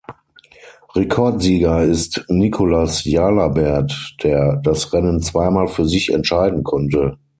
Rekordsieger ist Nicolas Jalabert, der das Rennen zweimal für sich entscheiden konnte.